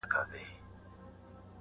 د حکیمي صاحب د " زلمۍ سندرو "